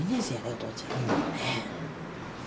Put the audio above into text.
お父ちゃん。